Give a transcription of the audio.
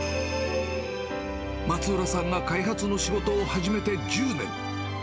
松浦さんが開発の仕事を始めて１０年。